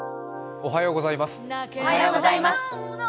おはようございます。